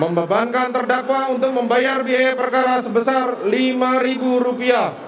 membebankan terdakwa untuk membayar biaya perkara sebesar rp lima